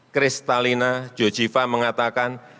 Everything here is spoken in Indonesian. kristalina jojjiva mengatakan